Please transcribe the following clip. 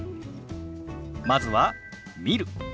まずは「見る」。